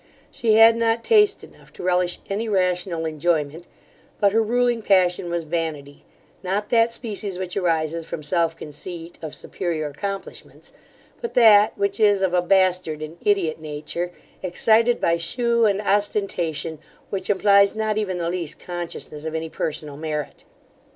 She had not taste enough to relish any rational enjoyment; but her ruling passion was vanity, not that species which arises from self conceit of superior accomplishments, but that which is of a bastard and idiot nature, excited by shew and ostentation, which implies not even the least consciousness of any personal merit.